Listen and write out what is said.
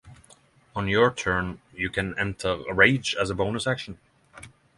On your turn, you can enter a rage as a bonus action.